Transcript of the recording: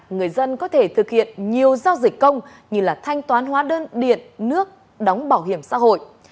người dân có thể thực hiện nhiều giao dịch công như thanh toán hóa đơn điện nước đóng bảo hiểm xã hội